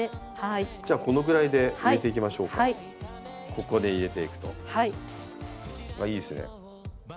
ここで入れていくといいですね。